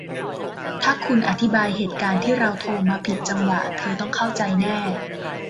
ถ้าคุณอธิบายเหตุการณ์ที่เราโทรมาผิดจังหวะ เธอต้องเข้าใจแน่